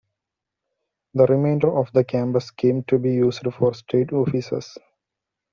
The remainder of the campus came to be used for state offices.